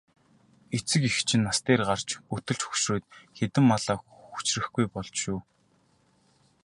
Эцэг эх чинь нас дээр гарч өтөлж хөгшрөөд хэдэн малаа хүчрэхгүй болж шүү.